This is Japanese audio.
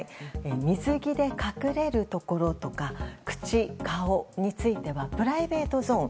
水着で隠れるところとか口、顔についてはプライベートゾーン